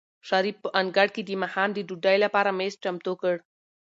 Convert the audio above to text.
شریف په انګړ کې د ماښام د ډوډۍ لپاره مېز چمتو کړ.